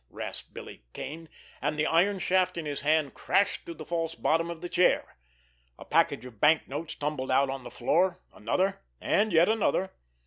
rasped Billy Kane, and the iron shaft in his hand crashed through the false bottom of the chair. A package of banknotes tumbled out on the floor, another, and yet another.